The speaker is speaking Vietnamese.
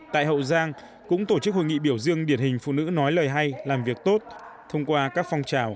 tại hậu giang cũng tổ chức hội nghị biểu dương điển hình phụ nữ nói lời hay làm việc tốt